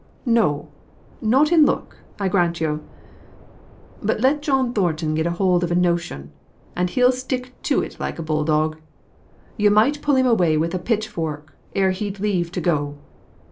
"No! not in look, I grant yo. But let John Thornton get hold on a notion, and he'll stick to it like a bulldog; yo might pull him away wi' a pitchfork ere he'd leave go.